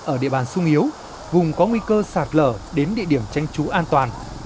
ở địa bàn sung yếu vùng có nguy cơ sạt lở đến địa điểm tranh trú an toàn